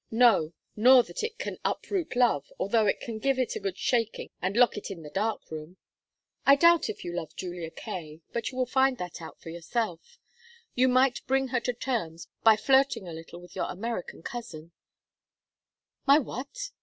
"No, nor that it can uproot love, although it can give it a good shaking and lock it in the dark room. I doubt if you love Julia Kaye, but you will find that out for yourself. You might bring her to terms by flirting a little with your American cousin " "My what?"